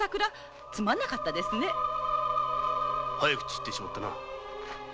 早く散ってしまったな。